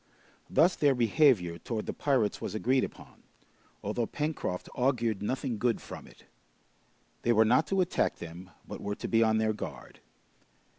Thus their behavior towards the pirates was agreed upon, although Pencroft augured nothing good from it. They were not to attack them, but were to be on their guard.